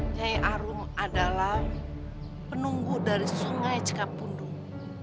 nyai arum adalah penunggu dari sungai cikapundung